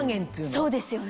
そうですよね。